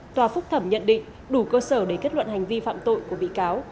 tòa phúc thẩm nhận định đủ cơ sở để kết luận hành vi phạm tội của bị cáo